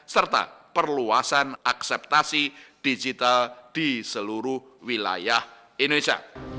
serta perluasan akseptasi digital di seluruh wilayah indonesia